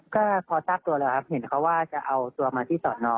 ก็พอทราบตัวแล้วครับเห็นเขาว่าจะเอาตัวมาที่สอนอ